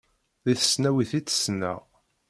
Deg tesnawit i tt-ssneɣ.